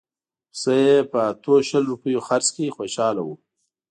پسه یې په اتو شل روپیو خرڅ کړ خوشاله وو.